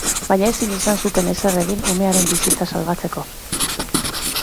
Baina ezin izan zuten ezer egin umearen bizitza salbatzeko.